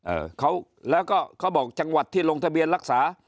เอ่อเขาแล้วก็เขาบอกจังหวัดที่ลงทะเบียนรักษา